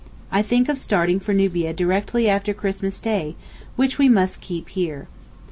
I think of starting for Nubia directly after Christmas Day, which we must keep here.